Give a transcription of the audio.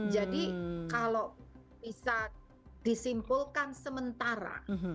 jadi kalau bisa disimpulkan sementara